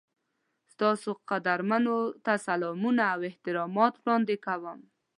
تاسو قدرمنو ته سلامونه او احترامات وړاندې کوم.